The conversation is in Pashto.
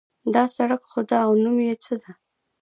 دا سړی څوک ده او نوم یې څه ده